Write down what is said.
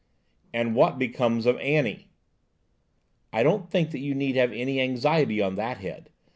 "And what becomes of Annie?" "I don't think you need have any anxiety on that head.